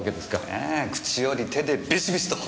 ええ口より手でビシビシと。